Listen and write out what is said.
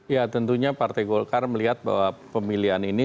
ya tentunya partai golkar melihat bahwa pemilihan ini